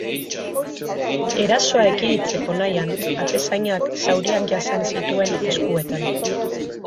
Erasoa ekiditzeko nahian, atezainak zauriak jasan zituen eskuetan.